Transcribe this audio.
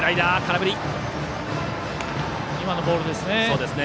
今のボールですね。